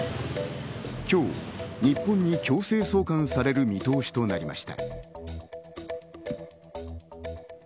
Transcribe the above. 今日、日本へ強制送還される見通しとなりました。